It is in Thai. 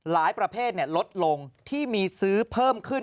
ประเภทลดลงที่มีซื้อเพิ่มขึ้น